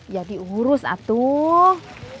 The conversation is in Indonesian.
ya diurus atuh